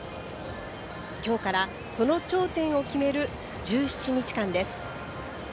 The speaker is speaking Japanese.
今日からその頂点を決める１７日間です。